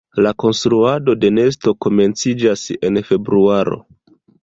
La konstruado de nesto komenciĝas en februaro.